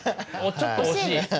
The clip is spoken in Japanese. ちょっと惜しい？